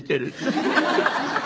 ハハハハ。